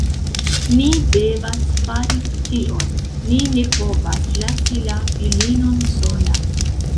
Ni devas fari tion. Ni ne povas lasi la filinon sola.